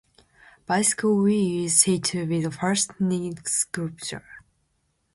"Bicycle Wheel" is said to be the first kinetic sculpture.